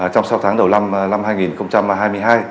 trong sáu tháng đầu năm hai nghìn hai mươi hai